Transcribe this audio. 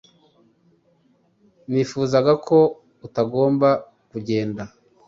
Nifuzaga ko utagomba kugenda